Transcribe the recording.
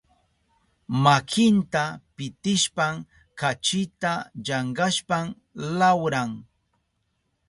Makinta pitishpan kachita llankashpan lawran.